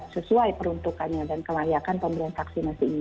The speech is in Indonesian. itu yang membuai peruntukannya dan kelayakan pemerintah vaksinasi ini